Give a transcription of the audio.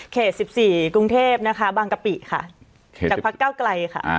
๑๔กรุงเทพนะคะบางกะปิค่ะจากพักเก้าไกลค่ะ